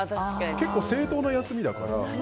結構正当な休みだから。